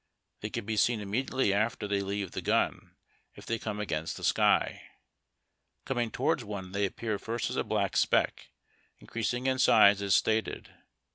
They can be seen immediately after they leave the gun if they come against the sky. Conung towards one they appear first as a black speck, increasing in size as stated.